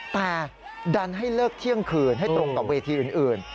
แต่ดันให้เลิกเที่ยงคืนให้ตรงกับเวทีอื่น